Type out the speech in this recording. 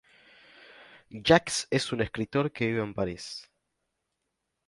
Jacques es un escritor que vive en París.